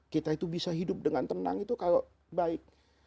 kita itu bisa hidup dengan tenang itu kalau baik